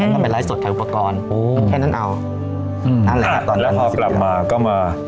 ก็ไปไร้สดแข่อุปกรณ์โอ้วแค่นั้นเอาอืมเอ้าแล้วพอปลับมาก็มา